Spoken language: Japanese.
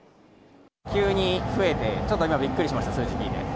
急に増えて、ちょっと今びっくりしました。